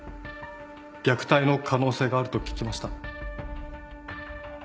虐待の可能性があると聞きました。